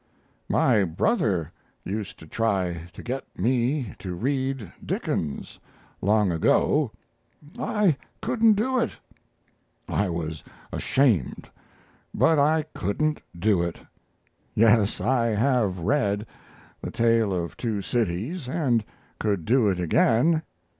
My brother used to try to get me to read Dickens, long ago. I couldn't do it I was ashamed; but I couldn't do it. Yes, I have read The Tale of Two Cities, and could do it again.